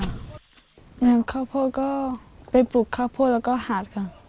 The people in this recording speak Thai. ข้าวโพดก็ไปปลูกข้าวโพดแล้วก็หาดค่ะ